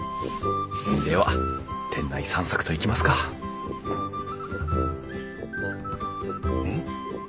では店内散策といきますかん？